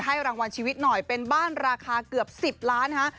รางวัลชีวิตหน่อยเป็นบ้านราคาเกือบ๑๐ล้านฮะ